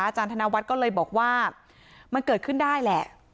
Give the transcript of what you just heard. ธนวัฒน์ก็เลยบอกว่ามันเกิดขึ้นได้แหละ